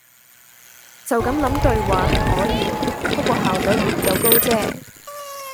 就咁諗對話係可以，不過效率唔夠高啫